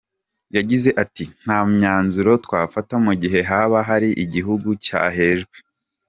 Yagize ati “Nta myanzuro twafata mu gihe haba hari igihugu cyahejwe.